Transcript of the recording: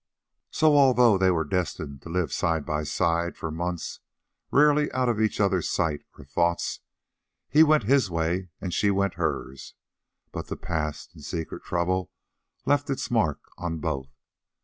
So, although they were destined to live side by side for months, rarely out of each other's sight or thoughts, he went his way and she went hers. But the past and secret trouble left its mark on both.